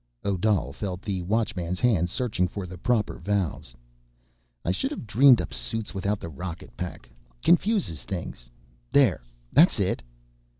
Odal felt the Watchman's hands searching for the proper valve. "I shouldn've dreamed up suits without the rocket pack ... confuses things ... there, that's it."